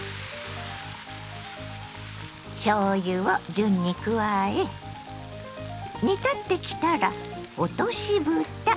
順に加え煮立ってきたら落としぶた。